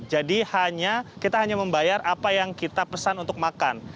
jadi kita hanya membayar apa yang kita pesan untuk makan